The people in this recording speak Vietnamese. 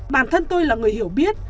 bản thân tôi là người hiểu biết